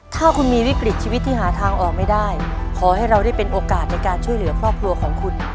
ถ้าคุณมีวิกฤตชีวิตที่หาทางออกไม่ได้ขอให้เราได้เป็นโอกาสในการช่วยเหลือครอบครัวของคุณ